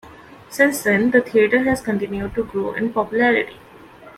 Since then, the theater has continued to grow in popularity.